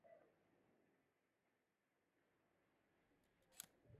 لاندي څلوریځي یې زموږ د اوسني ناورین شاهکاري بیلګي دي.